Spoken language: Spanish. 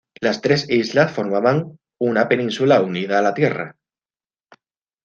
Las tres islas formaban una península unida la tierra.